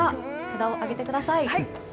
札を上げてください。